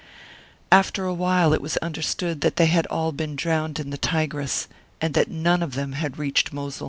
After a while it was understood that they had all been drowned in the Tigris, and that none of them had reached Mosul.